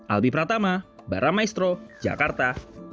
albi pratama baramaestro jakarta